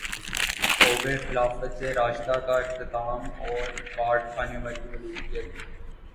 ہوگئے خلافت راشدہ کا اختتام اور کاٹ کھانے والی ملوکیت